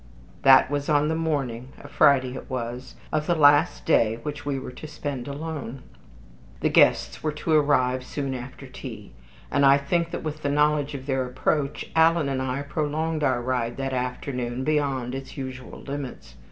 That was on the morning a Friday it was of the last day which we were to spend alone. The guests were to arrive soon after tea; and I think that with the knowledge of their approach Alan and I prolonged our ride that afternoon beyond its usual limits.